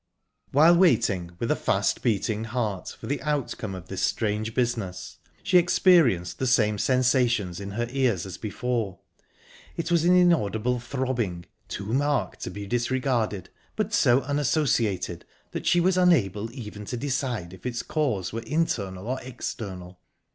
While waiting, with a fast beating heart, for the outcome of this strange business, she experienced the same sensations in her ears as before. It was an inaudible throbbing, too marked to be disregarded, but so unassociated that she was unable even to decide if its cause were internal or external.